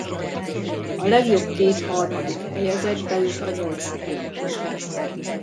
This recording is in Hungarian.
A legjobb két harmadik helyezett bejut a nyolcaddöntőbe.